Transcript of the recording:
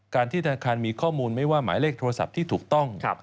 การที่ธนาคารมีข้อมูลไม่ว่าหมายเลขโทรศัพท์ที่ถูกต้อง